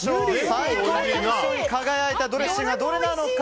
最高金賞に輝いたドレッシングはどれなのか。